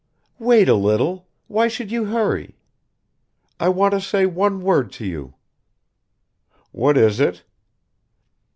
"Wait a little, why should you hurry? ... I want to say one word to you." "What is it?"